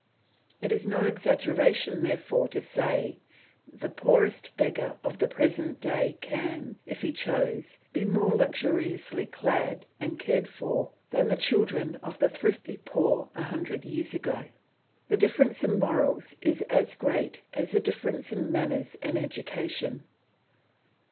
It is no exaggeration, therefore, to say that the poorest beggar of the present day can, if he choose, be more luxuriously clad and cared for than the children of the thrifty poor a hundred years ago. The difference in morals is as great as the difference in manners and education.